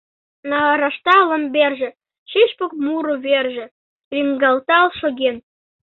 Нарашта ломберже — Шӱшпык муро верже — Лӱҥгалтал шоген.